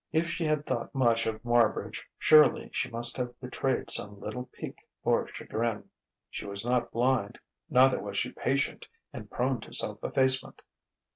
If she had thought much of Marbridge, surely she must have betrayed some little pique or chagrin. She was not blind; neither was she patient and prone to self effacement.